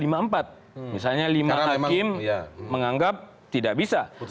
misalnya lima hakim menganggap tidak bisa